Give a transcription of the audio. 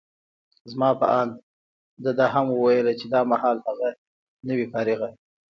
زما په اند، ده دا هم وویل چي دا مهال هغه، نه وي فارغه.